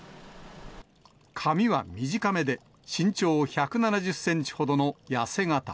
髪は短めで、身長１７０センチほどの痩せ形。